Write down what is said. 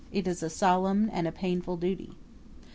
It is a solemn and a painful duty.